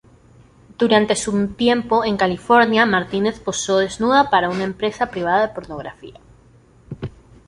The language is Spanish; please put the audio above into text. Durante su tiempo en California, Martínez posó desnuda para una empresa privada de pornografía.